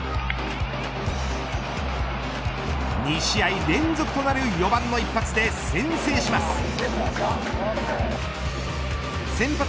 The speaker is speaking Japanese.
２試合連続となる４番の一発で先制します。